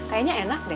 kayaknya enak deh